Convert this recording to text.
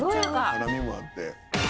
辛みもあって。